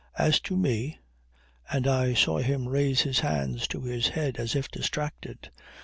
As to me ..." and I saw him raise his hands to his head as if distracted.